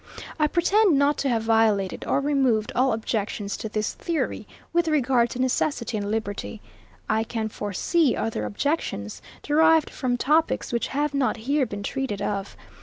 78. I pretend not to have obviated or removed all objections to this theory, with regard to necessity and liberty. I can foresee other objections, derived from topics which have not here been treated of.